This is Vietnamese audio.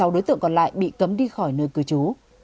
một mươi sáu đối tượng còn lại bị cấm đi khỏi nơi cư chú